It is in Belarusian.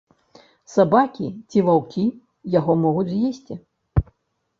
Сабакі ці ваўкі яго могуць з'есці.